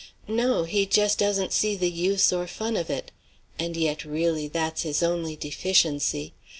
"No, he just doesn't see the use or fun of it. And yet, really, that's his only deficiency.